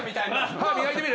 歯磨いてみる？